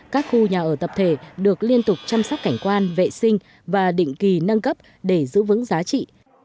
các khu nhà ở tập thể được liên tục chăm sóc cảnh quan vệ sinh và định kỳ nâng cấp để giữ vững giá trị